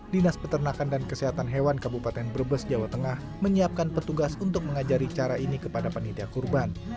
dinas peternakan dan kesehatan hewan kabupaten brebes jawa tengah menyiapkan petugas untuk mengajari cara ini kepada panitia kurban